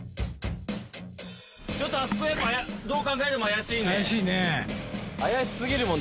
ちょっとあそこどう考えても怪しいね。